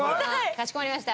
かしこまりました。